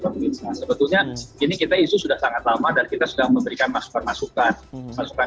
nah sebetulnya ini kita isu sudah sangat lama dan kita sudah memberikan masper masukan